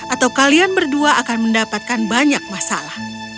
atau kalian berdua akan mendapatkan banyak masalah